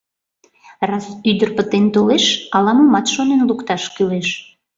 Раз ӱдыр пытен толеш — ала-момат шонен лукташ кӱлеш.